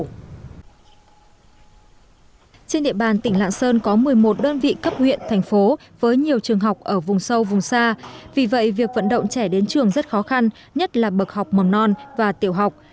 trên địa bàn tỉnh lạng sơn có một mươi một đơn vị cấp huyện thành phố với nhiều trường học ở vùng sâu vùng xa vì vậy việc vận động trẻ đến trường rất khó khăn nhất là bậc học mầm non và tiểu học